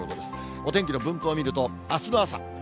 お天気の分布を見ると、あすの朝。